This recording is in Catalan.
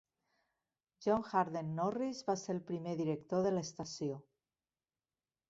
John Harden Norris va ser el primer director de l'estació.